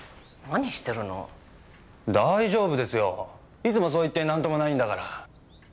いつもそう言ってなんともないんだから。